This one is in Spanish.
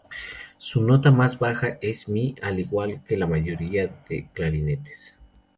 Su nota más baja es "mi", al igual que la mayoría de Clarinetes.